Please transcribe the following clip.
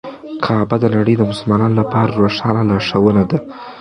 کعبه د نړۍ د مسلمانانو لپاره روښانه لارښوونه ده.